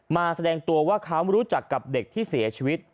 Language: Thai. แสดงตัวว่าเขารู้จักกับเด็กที่เสียชีวิต